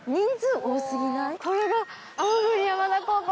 これが。